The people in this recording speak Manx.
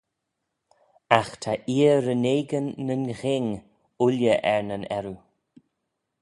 Agh ta eer renaigyn nyn ghing ooilley er nyn earroo.